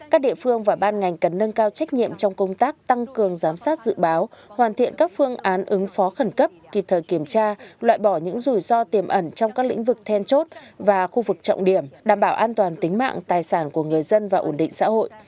các địa phương và ban ngành cần nâng cao trách nhiệm trong công tác tăng cường giám sát dự báo hoàn thiện các phương án ứng phó khẩn cấp kịp thời kiểm tra loại bỏ những rủi ro tiềm ẩn trong các lĩnh vực then chốt và khu vực trọng điểm đảm bảo an toàn tính mạng tài sản của người dân và ổn định xã hội